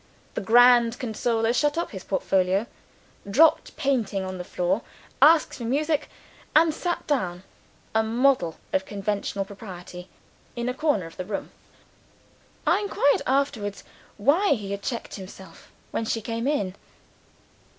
The "Grand Consoler" shut up his portfolio; dropped Painting on the spot; asked for Music, and sat down, a model of conventional propriety, in a corner of the room. I inquired afterwards, why he had checked himself when she came in.